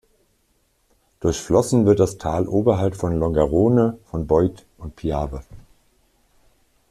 Durchflossen wird das Tal oberhalb von Longarone von Boite und Piave.